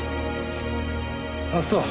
あっそう。